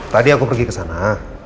tadi aku pergi kesana